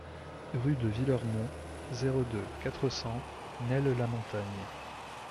Rue de Villermont, zéro deux, quatre cents Nesles-la-Montagne